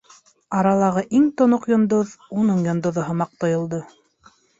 Аралағы иң тоноҡ йондоҙ - уның йондоҙо һымаҡ тойолдо.